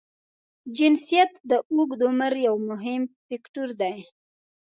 جنسیت د اوږد عمر یو مهم فاکټور دی.